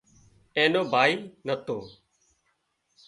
اين نو ڀائي نتو